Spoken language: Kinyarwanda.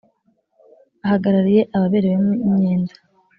ahagarariye ababerewemo imyenda